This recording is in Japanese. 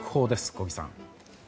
小木さん。